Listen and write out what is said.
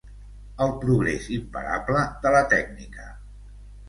El progrés imparable de la tècnica.